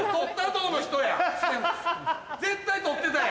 絶対撮ってたやん。